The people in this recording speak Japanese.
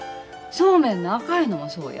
そうめんの赤いのもそうや。